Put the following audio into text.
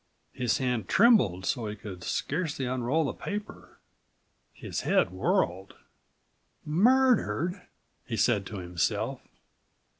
His hand trembled so he could scarcely unroll the paper. His head whirled. "Murdered?" he said to himself.